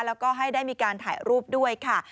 แล้วก็ให้ได้มีการถ่ายรูปด้วยค่ะ